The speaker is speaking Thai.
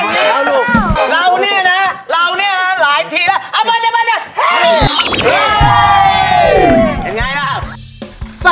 นี่เราเนี่ยเราเนี่ยลายทีหลายวันแหนะ